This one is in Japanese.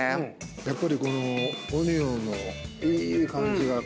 やっぱりこのオニオンのいい感じがこう。